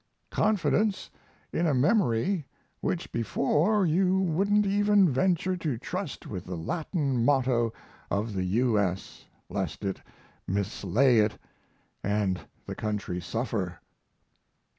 confidence in a memory which before you wouldn't even venture to trust with the Latin motto of the U. S. lest it mislay it and the country suffer.